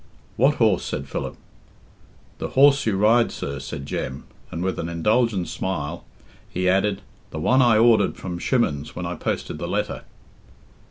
"What horse?" said Philip. "The horse you ride, sir," said Jem, and, with an indulgent smile, he added, "the one I ordered from Shimmen's when I posted the letter."